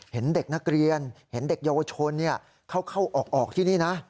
เห็นเด็กนักเรียนเห็นเด็กเยาวชนเข้าออกที่นี่นะ